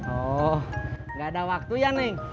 oh gak ada waktu ya neng